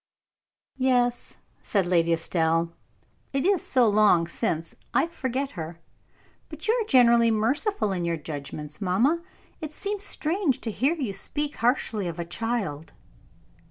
"Yes," said Lady Estelle. "It is so long since, I forget her; but you are generally merciful in your judgments, mamma. It seems strange to hear you speak harshly of a child."